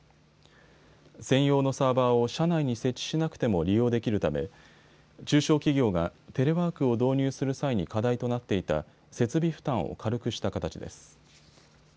専用のサーバーを社内に設置しなくても利用できるため中小企業がテレワークを導入する際に課題となっていた設備負担を軽くした形です。